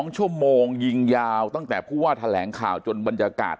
๒ชั่วโมงยิงยาวตั้งแต่ผู้ว่าแถลงข่าวจนบรรยากาศ